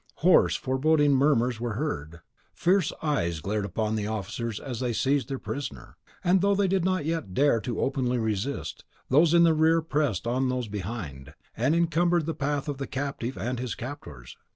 Hoarse, foreboding murmurs were heard; fierce eyes glared upon the officers as they seized their prisoner; and though they did not yet dare openly to resist, those in the rear pressed on those behind, and encumbered the path of the captive and his captors.